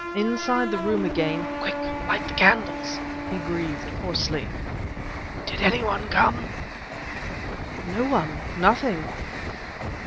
Inside the room again: "Quick! light the candles!" he breathed hoarsely. "Did any one come?" "No one nothing."